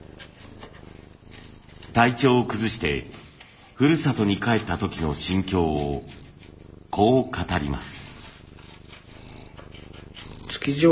体調を崩してふるさとに帰った時の心境をこう語ります。